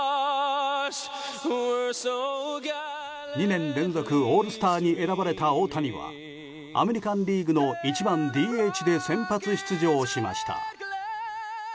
２年連続オールスターに選ばれた大谷はアメリカン・リーグの１番ＤＨで先発出場しました。